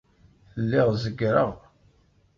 Lliɣ zeggreɣ.